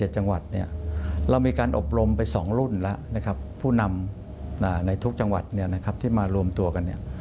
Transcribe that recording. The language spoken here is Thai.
๗๖๗๗จังหวัดเรามีการอบรมไป๒รุ่นแล้วผู้นำในทุกจังหวัดที่มารวมตัวกัน